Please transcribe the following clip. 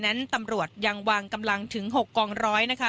นั้นตำรวจยังวางกำลังถึง๖กองร้อยนะคะ